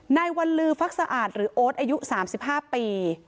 วันลือฟักสะอาดหรือโอ๊ตอายุ๓๕ปี